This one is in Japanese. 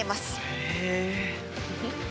へえ。